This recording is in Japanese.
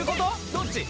どっち？